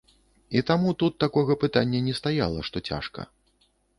І таму тут такога пытання не стаяла, што цяжка.